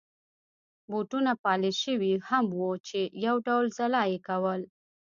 بوټونه پالش شوي هم وو چې یو ډول ځلا يې کول.